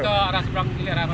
dari arah seberang ulu